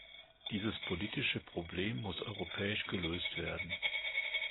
Dieses politische Problem muss europäisch gelöst werden.